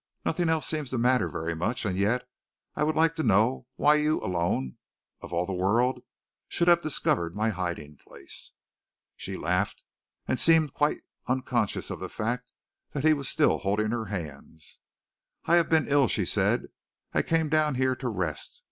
Nothing else seems to matter very much, and yet, I would like to know why you alone, of all the world, should have discovered my hiding place." She laughed, and seemed quite unconscious of the fact that he was still holding her hands. "I have been ill," she said. "I came down here to rest.